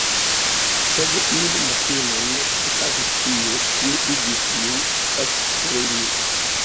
Sed iun matenon okazis io, kio igis min ektremi.